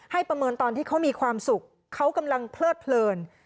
ประเมินตอนที่เขามีความสุขเขากำลังเพลิดเพลิน